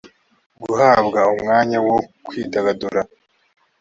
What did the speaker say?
guhabwa umwanya wo kwidagadura